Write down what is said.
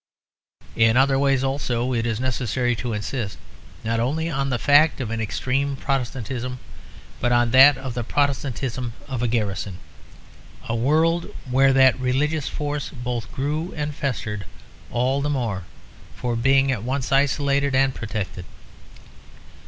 In other ways also it is necessary to insist not only on the fact of an extreme Protestantism, but on that of the Protestantism of a garrison; a world where that religious force both grew and festered all the more for being at once isolated and protected.